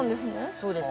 そうです。